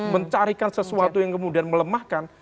mencarikan sesuatu yang kemudian melemahkan